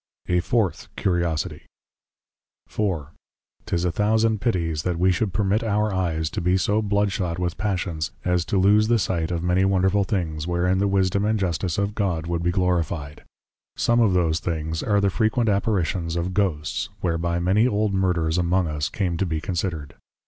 A FOURTH CURIOSITIE. IV. 'Tis a thousand pitties, that we should permit our Eyes, to be so Blood shot with passions, as to loose the sight of many wonderful things, wherein the Wisdom and Justice of God, would be Glorify'd. Some of those things, are the frequent \Apparitions\ of Ghosts, whereby many Old \Murders\ among us, come to be considered.